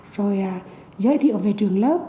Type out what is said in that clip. rồi giới thiệu về trường lớp